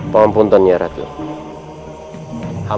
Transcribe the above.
tidak ada yang bisa dipungkapi